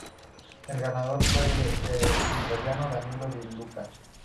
El ganador fue el italiano Danilo Di Luca.